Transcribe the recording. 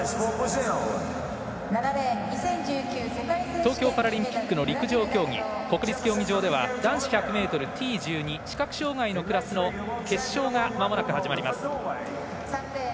東京パラリンピックの陸上競技国立競技場では男子１００ｍＴ１２視覚障がいのクラスの決勝がまもなく始まります。